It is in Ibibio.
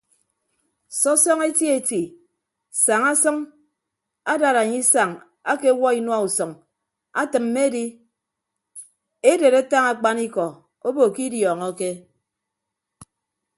Sọsọñọ eti eti saña sʌñ adad anye isañ akewuo inua usʌñ atịmme edi edet atañ akpanikọ obo ke idiọñọke.